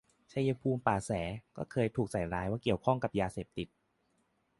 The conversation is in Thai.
ชัยภูมิป่าแส ก็เคยถูกใส่ร้ายว่าเกี่ยวข้องกับ ยาเสพติด